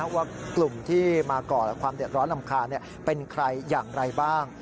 ว่ากลุ่มที่มาก่อความเดือดร้อนรำคาญเป็นใครอย่างไรบ้าง